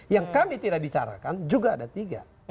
yang kami tidak bicarakan juga ada tiga